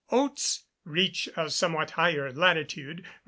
Oats reach a somewhat higher latitude.